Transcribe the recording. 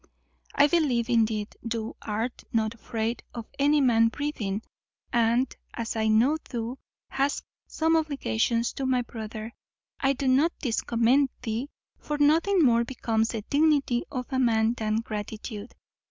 I believe, indeed, thou art not afraid of any man breathing, and, as I know thou hast some obligations to my brother, I do not discommend thee; for nothing more becomes the dignity of a man than gratitude.